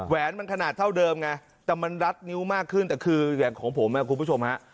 แหนมันขนาดเท่าเดิมไงแต่มันรัดนิ้วมากขึ้นแต่คืออย่างของผมคุณผู้ชมฮะ